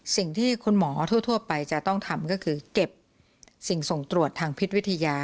สิ่งที่คุณหมอทั่วไปจะต้องทำก็คือเก็บสิ่งส่งตรวจทางพิษวิทยา